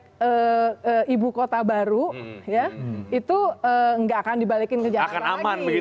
jadi kalau kita pindah ke ibu kota baru itu nggak akan dibalikin ke jakarta lagi